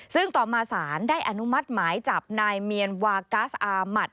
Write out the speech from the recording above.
ซึ่งต่อมาศาลได้อนุมัติหมายจับนายเมียนวากัสอามัติ